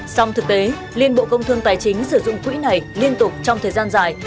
song thực tế liên bộ công thương tài chính sử dụng quỹ này liên tục trong thời gian dài